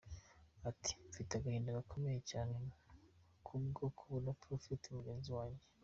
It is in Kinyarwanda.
Ati: “Mfite agahinda gakomeye cyane kubwo kubura Prophet mugenzi wange.”